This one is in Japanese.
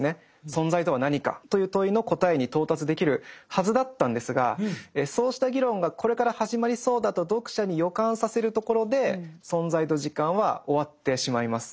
「存在とは何か」という問いの答えに到達できるはずだったんですがそうした議論がこれから始まりそうだと読者に予感させるところで「存在と時間」は終わってしまいます。